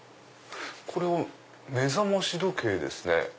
これは目覚まし時計ですね。